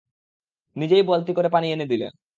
নিজেই বালতি করে পানি এনে দিলেন।